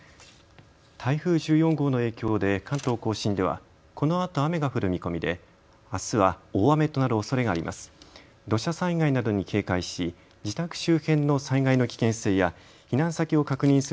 台風１４号の影響で関東甲信ではこのあと雨が降る見込みであすは大雨となるおそれがあります。